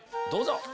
どうぞ！